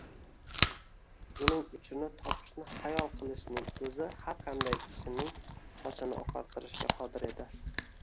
uning uchini topishni xayol qilishning o‘zi har qanday kishining sochini oqartirishga qodir edi.